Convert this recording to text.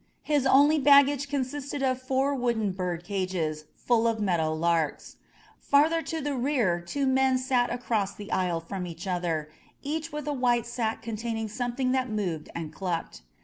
His only baggage consisted of four wooden bird cages full of meadow larks. Farther to the rear two men sat across the aisle from each other, each with a white sack contain ing something that moved and clucked.